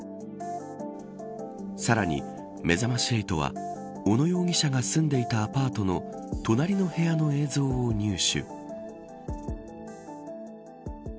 さらに、めざまし８は小野容疑者が住んでいたアパートの隣の部屋の映像を入手。